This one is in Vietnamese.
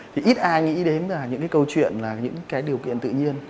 thì ít ai nghĩ đến là những cái câu chuyện là những cái điều kiện tự nhiên